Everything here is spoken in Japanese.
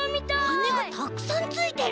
はねがたくさんついてる。